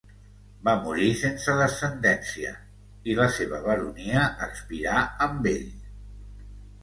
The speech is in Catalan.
Va morir sense descendència i la seva baronia expirà amb ell.